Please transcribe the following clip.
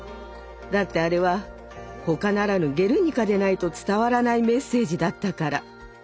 だってあれはほかならぬ「ゲルニカ」でないと伝わらないメッセージだったから。